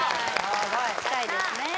近いですね